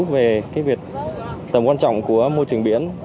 về việc tầm quan trọng của môi trường biển